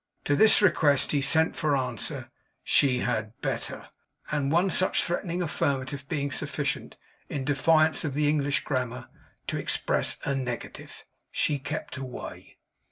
To this request he sent for answer, 'she had better;' and one such threatening affirmative being sufficient, in defiance of the English grammar, to express a negative, she kept away.